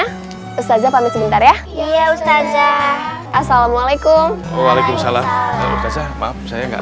hai saja pamit sebentar ya iya ustazah assalamualaikum waalaikumsalam maaf saya nggak